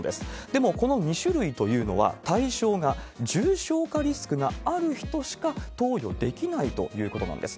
でもこの２種類というのは、対象が重症化リスクがある人しか投与できないということなんです。